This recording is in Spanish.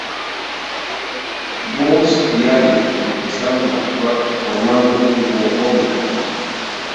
Burns y Allen empezaron a actuar formando un dúo cómico.